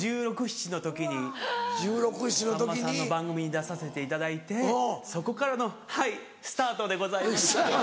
１６１７の時にさんまさんの番組に出させていただいてそこからのはいスタートでございます。